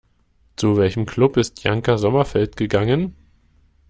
Zu welchem Club ist Janka Sommerfeld gegangen?